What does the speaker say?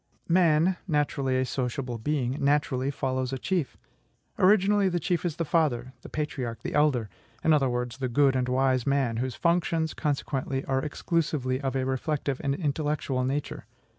Man (naturally a sociable being) naturally follows a chief. Originally, the chief is the father, the patriarch, the elder; in other words, the good and wise man, whose functions, consequently, are exclusively of a reflective and intellectual nature.